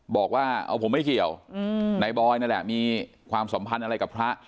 บอกว่าเอาผมไม่เกี่ยวนายบอยนั่นแหละมีความสัมพันธ์อะไรกับพระ